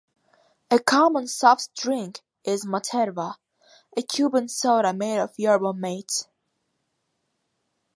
A common soft drink is Materva, a Cuban soda made of yerba mate.